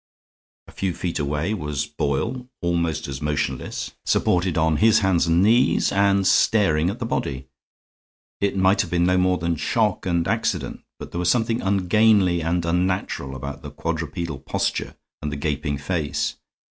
A few feet away was Boyle, almost as motionless, but supported on his hands and knees, and staring at the body. It might have been no more than shock and accident; but there was something ungainly and unnatural about the quadrupedal posture and the gaping face.